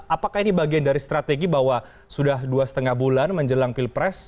apakah ini bagian dari strategi bahwa sudah dua lima bulan menjelang pilpres